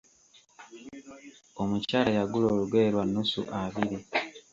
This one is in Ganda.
Omukyala yagula olugoye lwa nnusu abiri.